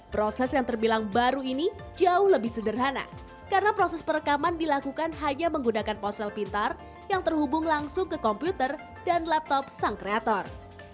proses yang terbilang baru ini jauh lebih sederhana karena proses perekaman dilakukan hanya menggunakan ponsel pintar yang terhubung langsung ke komputer dan laptop sang kreator